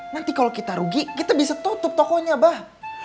nanti kalau kita rugi kita bisa tutup tokonya bah